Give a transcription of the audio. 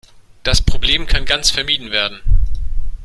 Das Problem kann ganz vermieden werden.